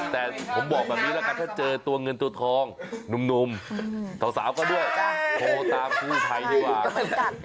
แต่ผมบอกแบบนี้แล้วกันถ้าเจอตัวเงินตัวทองนุ่มเขาสาวก็ด้วยโอ้โหตากลูกใครทำไม